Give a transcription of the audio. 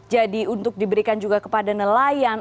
jadi untuk diberikan juga kepada nelayan